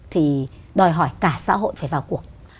thì đòi hỏi cả xã hội phải vào cuộc